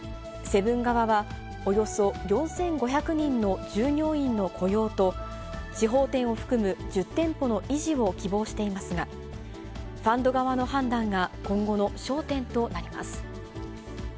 セブン側は、およそ４５００人の従業員の雇用と、地方店を含む１０店舗の維持を希望していますが、ファンド側の判断が今後の焦点となります。